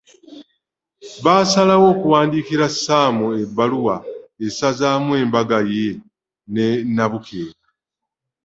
Basalawo okuwandiikira Ssaamu ebbaluwa esazaamu embaga ye ne Nnabukeera.